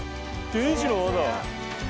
天使の輪だ。